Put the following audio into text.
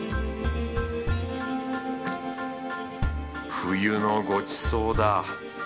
冬のごちそうだ。